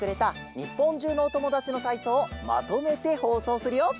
にっぽんじゅうのおともだちのたいそうをまとめてほうそうするよ。